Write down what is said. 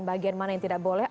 bagian mana yang tidak boleh